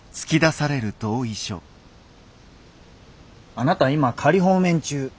あなた今仮放免中。